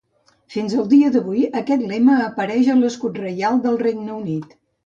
Fins al dia d'avui, aquest lema apareix a l'escut reial del Regne Unit.